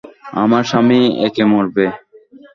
আমার স্বামীই একে মারবে।